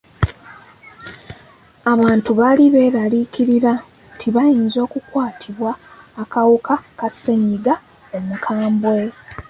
Abantu baali beeraliikirivu nti bayinza okukwatibwa akawuka ka ssenyiga omukambwe.